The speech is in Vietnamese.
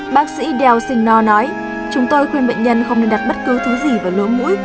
bác sĩ del sino nói chúng tôi khuyên bệnh nhân không nên đặt bất cứ thứ gì vào lố mũi